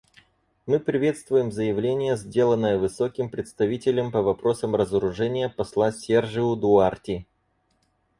Мы приветствуем заявление, сделанное Высоким представителем по вопросам разоружения посла Сержиу Дуарти.